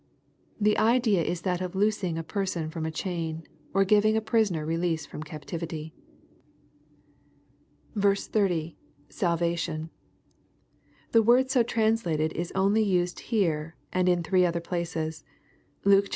] The idea is that of loosing a person from a chain, or giving a prisoner release from captivity. SO. — [Sdhaiion.] The word so translated is only used here and in three other places : Luke iii.